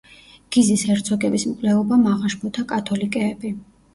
გიზის ჰერცოგების მკვლელობამ აღაშფოთა კათოლიკეები.